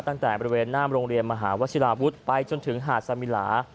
ตั้งแต่บริเวณหน้าโรงเรียนมหาวชิลาวุฒิไปจนถึงหาดสมิลา